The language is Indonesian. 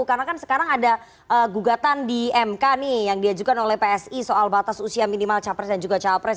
karena kan sekarang ada gugatan di mk nih yang diajukan oleh psi soal batas usia minimal cawapres dan juga cawapres